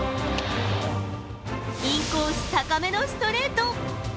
インコース高めのストレート！